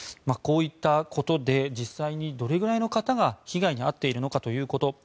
こういったことで実際にどれくらいの方が被害に遭っているのかということ